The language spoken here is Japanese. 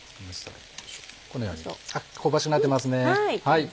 このようにあっ香ばしくなってますね。